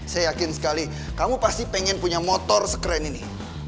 saya yakin sekali kamu pasti pengen punya motor sekeren ini